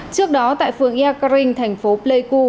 trước đó tại phường yer karin thành phố pleiku